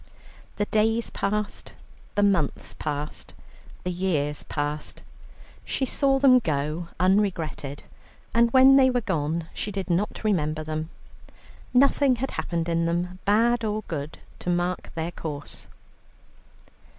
The days passed, the months passed, the years passed. She saw them go unregretted, and when they were gone, she did not remember them. Nothing had happened in them, bad or good, to mark their course.